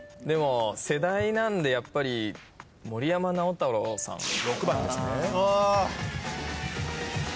でも世代なんでやっぱり森山直太朗さん。